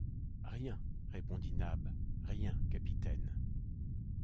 Rien! répondit Nab, rien, capitaine !